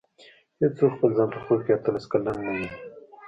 هېڅوک خپل ځان په خوب کې اته لس کلن نه ویني.